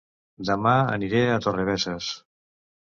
Dema aniré a Torrebesses